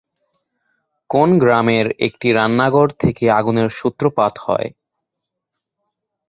কোন গ্রামের একটি রান্নাঘর থেকে আগুনের সূত্রপাত হয়?